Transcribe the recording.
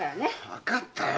わかったよ！